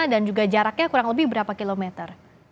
juga jaraknya kurang lebih berapa kilometer